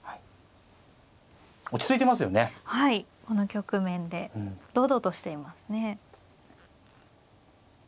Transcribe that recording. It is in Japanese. この局面で堂々としていますね。